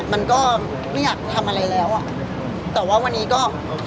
มันก็ไม่อยากทำอะไรแล้วอ่ะแต่ว่าวันนี้ก็